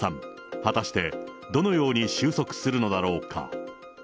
果たしてどのように収束するのだろうか。